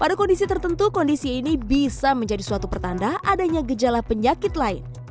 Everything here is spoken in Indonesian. dan di dalam kondisi tertentu kondisi ini bisa menjadi suatu pertanda adanya gejala penyakit lain